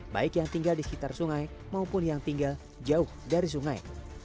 baik yang tinggal di sekitar sungai maupun yang tinggal jauh dari sungai